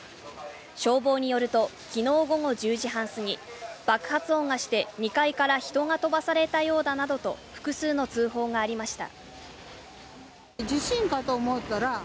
消防によると、きのう午後１０時半過ぎ、爆発音がして、２階から人が飛ばされたようだなどと複数の通報がありました。